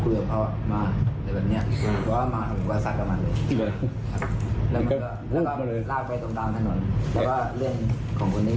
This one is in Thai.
แล้วก็เรื่องของคนนี้